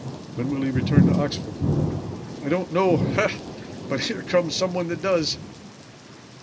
"When will he return to Oxford?" "I don't know. Ha! but here comes somebody that does."